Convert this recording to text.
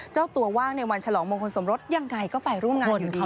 เจ้าตัวว่างในวันฉลองมงคลสมรสยังไงก็ไปร่วมงานของเขา